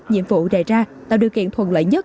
nhiệm vụ đề ra tạo điều kiện thuận lợi nhất